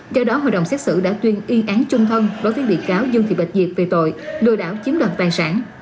do đó hội đồng xét xử đã tuyên y án chung thân đối với bị cáo dương thị bạch dịp về tội đưa đảo chiếm đoàn tài sản